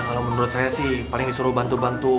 kalau menurut saya sih paling disuruh bantu bantu